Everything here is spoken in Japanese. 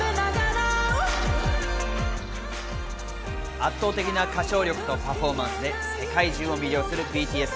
圧倒的な歌唱力とパフォーマンスで世界中を魅了するＢＴＳ。